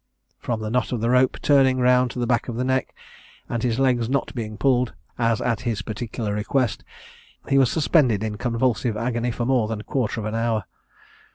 From the knot of the rope turning round to the back of the neck, and his legs not being pulled, as at his particular request, he was suspended in convulsive agony for more than a quarter of an hour.